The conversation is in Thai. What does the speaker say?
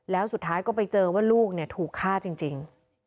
แล้วสุดท้ายก็ไปเจอว่าลูกถูกฆ่าจริง